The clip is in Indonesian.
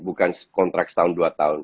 dan kontrak setahun dua tahun